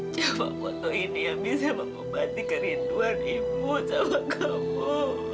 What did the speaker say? jangan waktu ini yang bisa mempunyai kerinduan ibu sama kamu